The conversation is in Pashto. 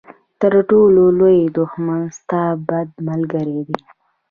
تر ټولو لوی دښمن ستا بد ملګری دی.